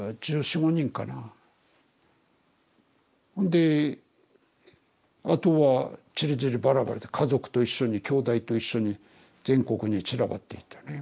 であとはちりぢりバラバラで家族と一緒にきょうだいと一緒に全国に散らばっていったね。